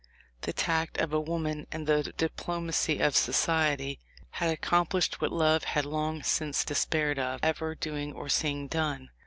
The tact of a woman and the diplomacy of society had accom plished what love had long since despaired of ever doing or seeing done.